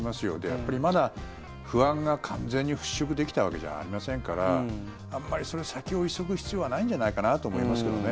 やっぱり、まだ不安が完全に払しょくできたわけじゃありませんからあまり先を急ぐ必要はないんじゃないかなと思いますけどね。